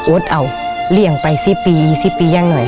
โอ๊ดเอาเลี่ยงไปสิบปีสิบปียังหน่อย